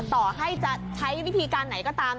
ต่อให้จะใช้วิธีการไหนก็ตาม